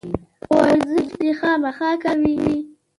نو ورزش دې خامخا کوي